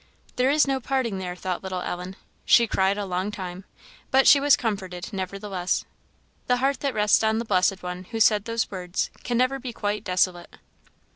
There is no parting there, thought little Ellen. She cried a long time, but she was comforted, nevertheless. The heart that rests on the blessed One who said those words can never be quite desolate.